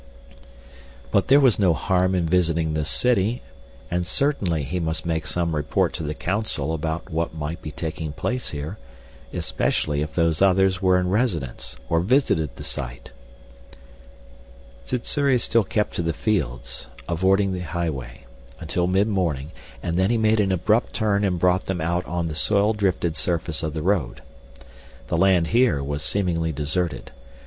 But there was no harm in visiting this city, and certainly he must make some report to the Council about what might be taking place here, especially if Those Others were in residence or visited the site. Sssuri still kept to the fields, avoiding the highway, until mid morning, and then he made an abrupt turn and brought them out on the soil drifted surface of the road. The land here was seemingly deserted.